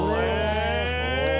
へえ。